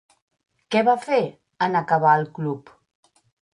Què va fer, en acabar El club?